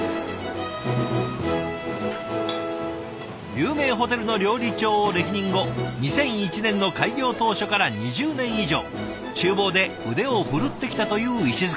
有名ホテルの料理長を歴任後２００１年の開業当初から２０年以上ちゅう房で腕を振るってきたという石束さん。